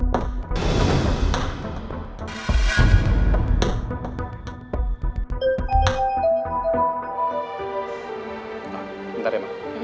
bentar ya mbak